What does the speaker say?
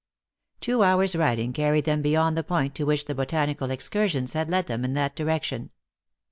Two hours riding carried them beyond the point to which the botanical excursions had led them in that direction.